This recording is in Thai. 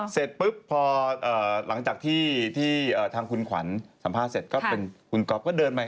เสร็จปุ๊บพอหลังจากที่ทางคุณขวัญสัมภาษณ์เสร็จก็เป็นคุณก๊อฟก็เดินไป